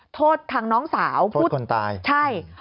โทษทางน้องสาวโทษคนตายใช่